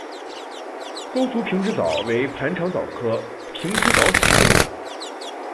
钩足平直蚤为盘肠蚤科平直蚤属的动物。